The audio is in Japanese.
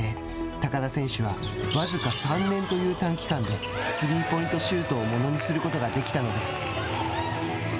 高田選手は僅か３年という短期間でスリーポイントシュートをものにすることができたのです。